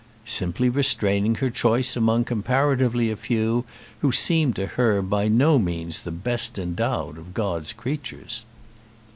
Simply restraining her choice among comparatively a few who seemed to her by no means the best endowed of God's creatures.